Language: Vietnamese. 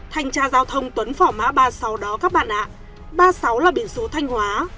thanh tra giao thông tuấn phỏ má ba mươi sáu đó các bạn ạ ba mươi sáu là biển số thanh hóa